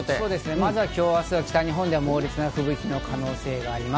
まず今日、明日は北日本で猛烈な吹雪の可能性があります。